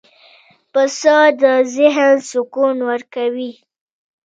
پسه د ذهن سکون ورکوي.